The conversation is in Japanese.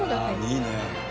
いいね。